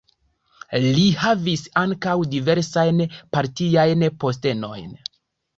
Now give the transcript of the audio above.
Li havis ankaŭ diversajn partiajn postenojn.